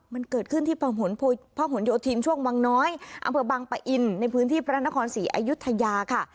มันเกิดขึ้นที่พระหลโยธินช่วงวังน้อยอำเภอบังปะอินในพื้นที่พระนครศรีอายุทยาค่ะ